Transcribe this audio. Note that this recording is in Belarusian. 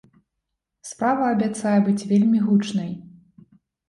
Справа абяцае быць вельмі гучнай.